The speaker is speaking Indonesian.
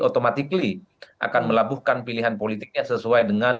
otomatik akan melabuhkan pilihan politiknya sesuai dengan